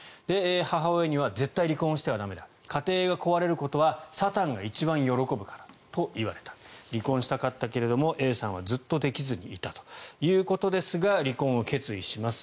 母親には絶対に離婚しては駄目だ家庭が壊れることはサタンが一番喜ぶからと言われた離婚したかったけれどもＡさんはずっとできずにいたということですが離婚を決意します。